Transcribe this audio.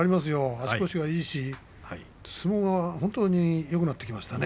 足腰がいいし相撲が本当によくなってきましたね。